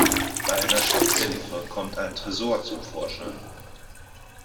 Bei einer Schatzsuche kommt ein Tresor zum Vorschein.